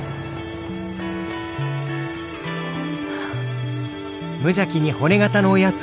そんな。